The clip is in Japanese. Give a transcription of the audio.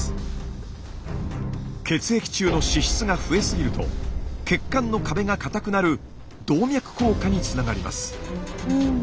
血液中の脂質が増えすぎると血管の壁が硬くなる動脈硬化につながります。